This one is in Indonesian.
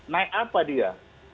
naik apa dia